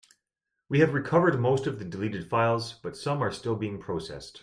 We have recovered most of the deleted files, but some are still being processed.